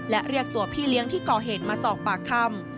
และเรียกตัวพี่เลี้ยงที่ก่อเหตุมาสอบปากคำ